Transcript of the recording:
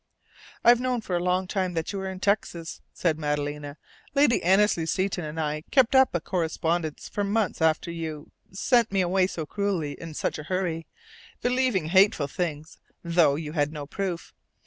"I've known for a long time that you were in Texas," said Madalena. "Lady Annesley Seton and I kept up a correspondence for months after you sent me away so cruelly, in such a hurry, believing hateful things, though you had no proof.